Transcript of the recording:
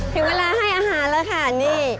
ถึงเวลาให้อาหารแล้วค่ะนี่